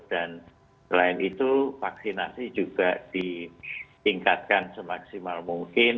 dan selain itu vaksinasi juga ditingkatkan semaksimal mungkin